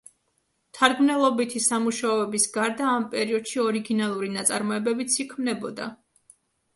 მთარგმნელობითი სამუშაოების გარდა ამ პერიოდში ორიგინალური ნაწარმოებებიც იქმნებოდა.